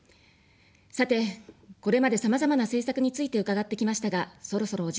さて、これまで、さまざまな政策について伺ってきましたが、そろそろお時間です。